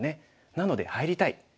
なので入りたい。